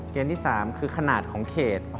ที่๓คือขนาดของเขต